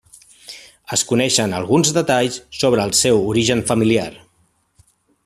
Es coneixen alguns detalls sobre el seu origen familiar.